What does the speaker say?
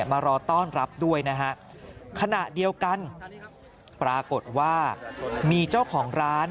มารอต้อนรับด้วยนะฮะขณะเดียวกันปรากฏว่ามีเจ้าของร้าน